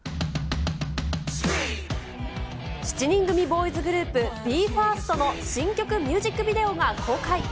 ７人組ボーイズグループ、ＢＥ：ＦＩＲＳＴの新曲ミュージックビデオが公開。